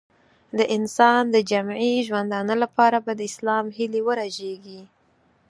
د انسان د جمعي ژوندانه لپاره به د اسلام هیلې ورژېږي.